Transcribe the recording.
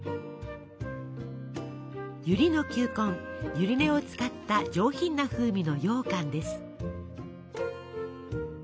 ゆりの球根ゆり根を使った上品な風味のようかんです。